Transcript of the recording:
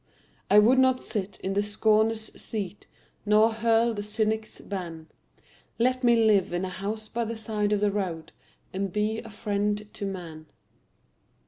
I would not sit in the scorner's seat Nor hurl the cynic's ban Let me live in a house by the side of the road And be a friend to man.